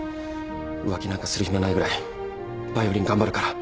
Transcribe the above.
浮気なんかする暇ないぐらいバイオリン頑張るから。